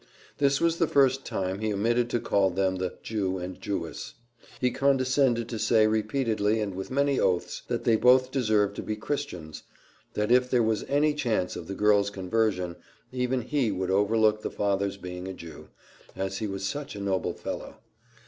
This was the first time he omitted to call them the Jew and Jewess. He condescended to say repeatedly, and with many oaths, that they both deserved to be Christians that if there was any chance of the girl's conversion, even he would overlook the father's being a Jew, as he was such a noble fellow.